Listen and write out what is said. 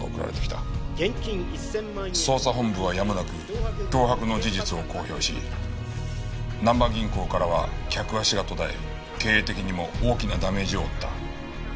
捜査本部はやむなく脅迫の事実を公表しなんば銀行からは客足が途絶え経営的にも大きなダメージを負った。